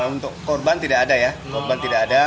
untuk korban tidak ada ya korban tidak ada